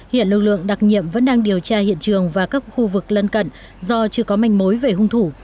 hiện lực lượng đặc nhiệm vẫn đang điều tra hiện trường và các khu vực lân cận do chưa có manh mối về hung thủ